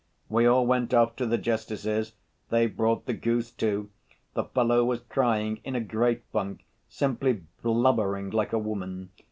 "We all went off to the justice's, they brought the goose, too. The fellow was crying in a great funk, simply blubbering like a woman.